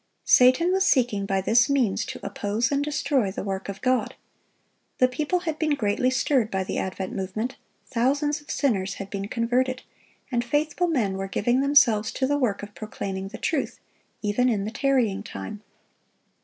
Satan was seeking by this means to oppose and destroy the work of God. The people had been greatly stirred by the Advent Movement, thousands of sinners had been converted, and faithful men were giving themselves to the work of proclaiming the truth, even in the tarrying time.